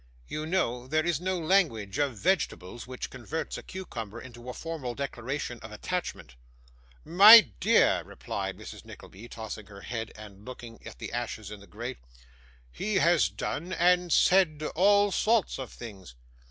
'You know, there is no language of vegetables, which converts a cucumber into a formal declaration of attachment.' 'My dear,' replied Mrs. Nickleby, tossing her head and looking at the ashes in the grate, 'he has done and said all sorts of things.